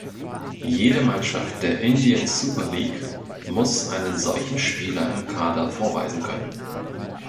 Jede Mannschaft der Indian Super League muss einen solchen Spieler im Kader vorweisen können.